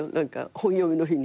本読みの日に。